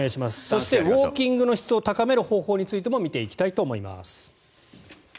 そしてウォーキングの質を高める方法についても見ていきたいと思います。